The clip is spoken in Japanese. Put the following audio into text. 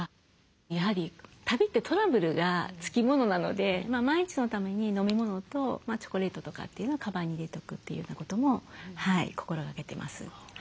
やはり旅ってトラブルが付きものなので万一のために飲み物とチョコレートとかっていうのをかばんに入れておくというようなことも心がけてます。